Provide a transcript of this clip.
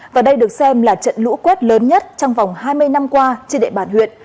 và đây được xem là trận lũ quét lớn nhất trong vòng hai mươi năm qua trên địa bàn huyện